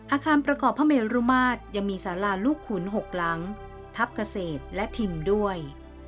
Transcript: อาคารประกอบพระเมรุมาตรยังมีสาราลูกขุน๖หลังทัพเกษตรและทิมด้วย